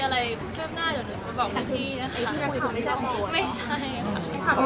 ไม่ใช่คุณ